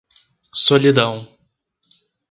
Solidão